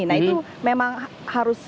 nah itu memang harus